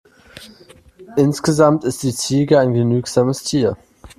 Insgesamt ist die Ziege ein genügsames Tier.